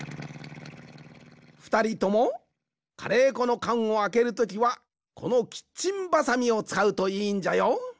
ふたりともカレーこのかんをあけるときはこのキッチンバサミをつかうといいんじゃよ。